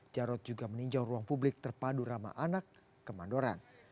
jarod juga meninjau ruang publik terpadu ramah anak kemandoran